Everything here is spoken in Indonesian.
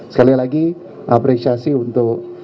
sekali lagi apresiasi untuk